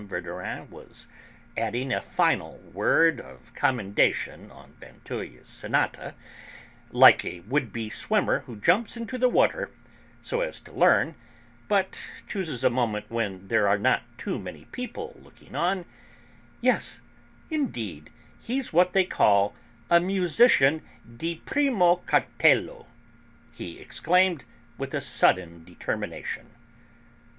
Verdurin was adding a final word of commendation of Vinteuil's sonata) like a would be swimmer who jumps into the water, so as to learn, but chooses a moment when there are not too many people looking on: "Yes, indeed; he's what they call a musician di primo cartello!" he exclaimed, with a sudden determination.